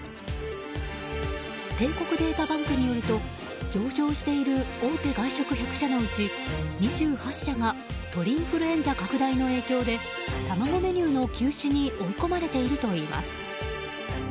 帝国データバンクによると上場している大手外食１００社のうち２８社が鳥インフルエンザ拡大の影響で卵メニューの休止に追い込まれているといいます。